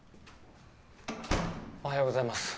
・おはようございます。